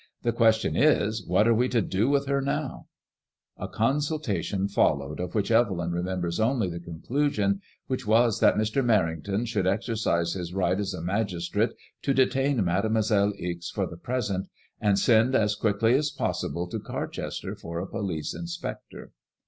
"The question is, what are we to do with her now ?•• A consultation followed, of vhich Evelyn remembers only the conclusion, which was that Mr. Merrington should exercise IfADEMOISBLLB 1X1. lOj his right as a magistrate to detain Mademoiselle Ixe for the present, and send as quickly as possible to Carchester for a police inspector.